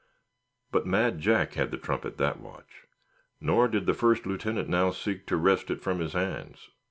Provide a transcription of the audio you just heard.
But Mad Jack had the trumpet that watch; nor did the first lieutenant now seek to wrest it from his hands.